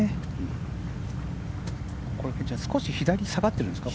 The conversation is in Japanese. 少し左下がってるんですか？